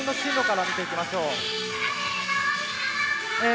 まずは最新の進路から見ていきましょう。